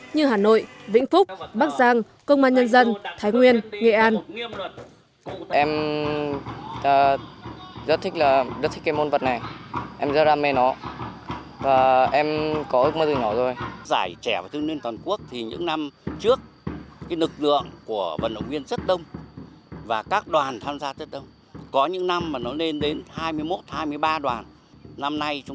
như hà nội vĩnh phúc bắc giang công an nhân dân thái nguyên nghệ an